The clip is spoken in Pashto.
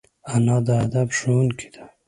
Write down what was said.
انا د ادب ښوونکې ده